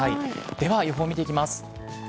では予報見ていきます。